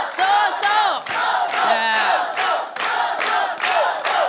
สู้สู้